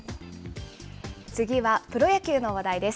次はプロ野球の話題です。